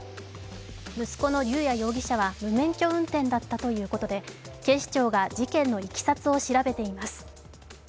息子の龍也容疑者は無免許運転だったということで警視庁が事件のいきさつを調べています。